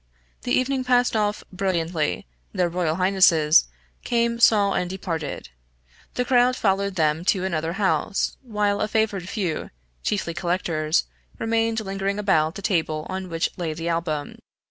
The evening passed off brilliantly, their royal highnesses, came, saw, and departed. The crowd followed them to another house, while a favored few, chiefly collectors, remained lingering about the table on which lay the Album.